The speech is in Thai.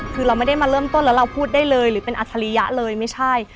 คือเราไม่ได้มาเริ่มต้นแล้วเราพูดได้เลยหรือเป็นอัธริยะเลยไม่ใช่